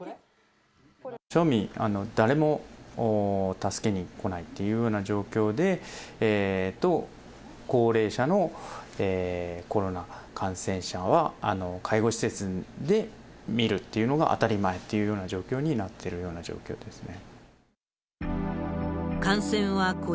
しょうみ、誰も助けに来ないっていうような状況と、高齢者のコロナ感染者は介護施設で診るっていうのが当たり前っていうような状況になってるというのが状況ですね。